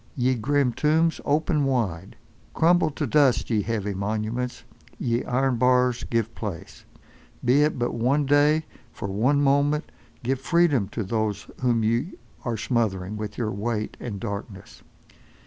Ye grim tombs ope wide, crumble to dust ye heavy monuments, ye iron bars give place! Be it but for one day, for one moment, give freedom to those whom ye are smothering with your weight, and darkness!